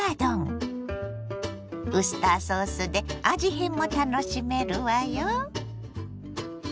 ウスターソースで味変も楽しめるわよ。